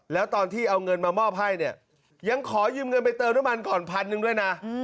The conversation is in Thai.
แล้วตอนที่เอาเงินมามอบให้เนี่ยยังขอยืมเงินไปเติมน่วมันกว่า๑๐๐๐ด้วยนะ